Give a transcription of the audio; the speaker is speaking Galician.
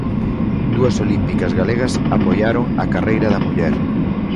Dúas olímpicas galegas apoiaron a Carreira da Muller.